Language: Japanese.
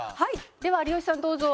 では有吉さんどうぞ。